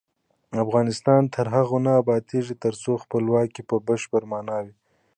افغانستان تر هغو نه ابادیږي، ترڅو خپلواکي په بشپړه مانا وي.